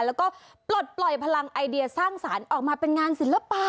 แล้วก็ปลดปล่อยพลังไอเดียสร้างสรรค์ออกมาเป็นงานศิลปะ